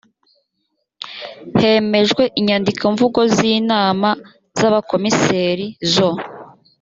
hemejwe inyandikomvugo z inama z abakomiseri zo